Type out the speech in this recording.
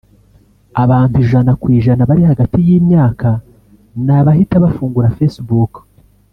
abantu % bari hagati y’imyaka na bahita bafungura Facebook